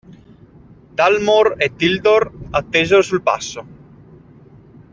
Dalmor e Tildor attesero sul passo.